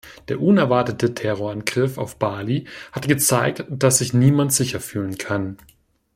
Der unerwartete Terrorangriff auf Bali hat gezeigt, dass sich niemand sicher fühlen kann.